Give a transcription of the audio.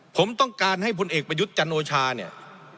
ผมต้องการให้พลเอกประยุทธ์จันโอชาเนี่ย